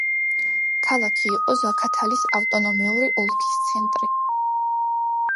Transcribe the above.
ქალაქი იყო ზაქათალის ავტონომიური ოლქის ცენტრი.